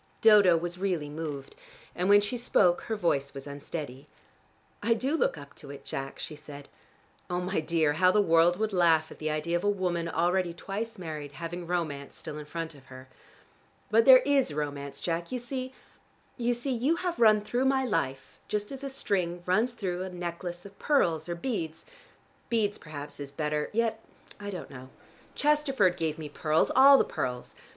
Dodo was really moved, and when she spoke her voice was unsteady. "I do look up to it, Jack," she said. "Oh, my dear, how the world would laugh at the idea of a woman already twice married, having romance still in front of her. But there is romance, Jack. You see you see you have run through my life just as a string runs through a necklace of pearls or beads: beads perhaps is better yet I don't know. Chesterford gave me pearls, all the pearls.